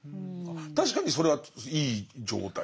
確かにそれはいい状態。